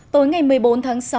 tối ngày một mươi bốn tháng sáu